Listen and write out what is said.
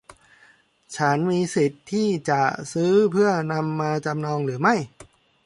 ฉันมีสิทธิ์ที่จะซื้อเพื่อนำมาจำนองหรือไม่